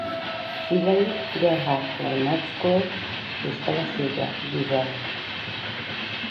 Szülei Gerhard von Metz gróf és felesége Gisela.